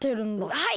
はい！